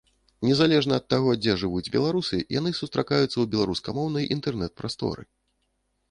Незалежна ад таго, дзе жывуць беларусы, яны сустракаюцца ў беларускамоўнай інтэрнэт-прасторы.